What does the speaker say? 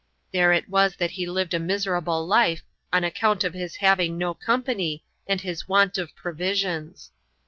There it was that he lived a miserable life, on account of his having no company, and his want of provisions.